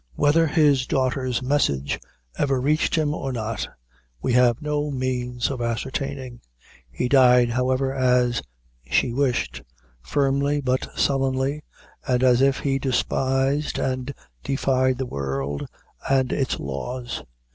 Whether his daughter's message ever reached him or not, we have had no means of ascertaining. He died, however, as she wished, firmly, but sullenly, and as if he despised and defied the world and its laws.